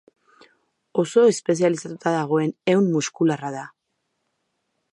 Oso espezializatuta dagoen ehun muskularra da.